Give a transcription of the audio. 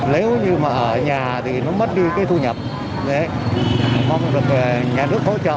nếu như mà ở nhà thì nó mất đi cái thu nhập mong được nhà nước hỗ trợ